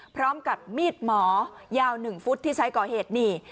พร้อมกับมีดหมอยาว๑ฟุตที่ใช้ก่อเหตุนี่